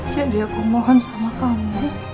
jadi aku mohon sama kamu